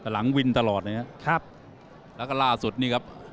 หลังวินตลอดเลยครับแล้วก็ล่าสุดนี่ครับ